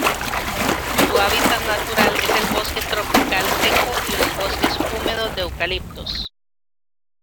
Su hábitat natural es el bosque tropical seco y los bosques húmedos de eucaliptos.